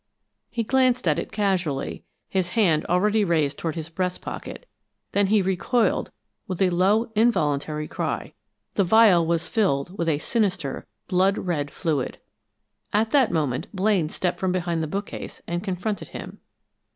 He glanced at it casually, his hand already raised toward his breast pocket; then he recoiled with a low, involuntary cry. The vial was filled with a sinister blood red fluid. At that moment Blaine stepped from behind the bookcase and confronted him.